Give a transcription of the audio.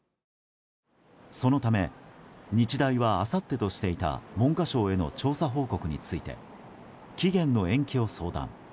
そのため、日大はあさってとしていた文科省への調査報告について期限の延期を相談。